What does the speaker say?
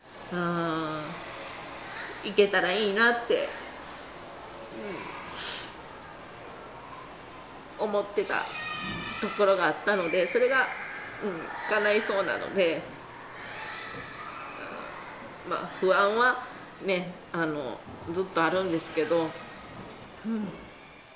行けたらいいなって思ってたところがあったので、それがかないそうなので、まあ不安はずっとあるんですけど。